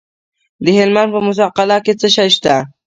د هلمند په موسی قلعه کې څه شی شته؟